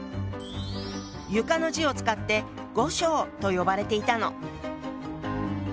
「床」の字を使って「御床」と呼ばれていたの。